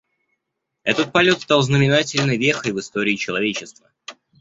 Этот полет стал знаменательной вехой в истории человечества.